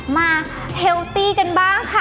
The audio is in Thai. มาเฮลตี้กันบ้างค่ะ